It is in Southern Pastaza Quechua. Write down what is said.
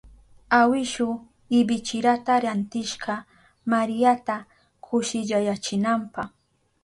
Awishu ibichirata rantishka Mariata kushillayachinanpa.